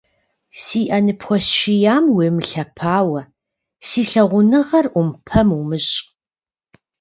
Си ӏэ ныпхуэсшиям уемылъэпауэ, си лъагуныгъэр ӏумпэм умыщӏ.